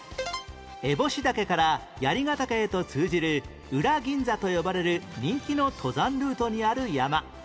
烏帽子岳から槍ヶ岳へと通じる裏銀座と呼ばれる人気の登山ルートにある山